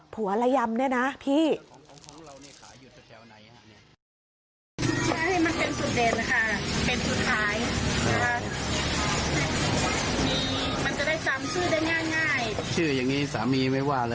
ละยำเนี่ยนะพี่